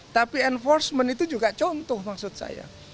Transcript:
tapi enforcement itu juga contoh maksud saya